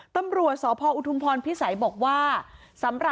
ตำรวจสอุธุพรพิศัยเต้นบอกว่า